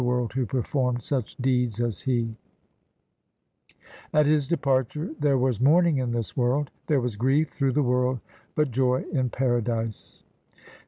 296 THE SIKH RELIGION At his departure there was mourning in this world ; There was grief through the world, but joy in paradise.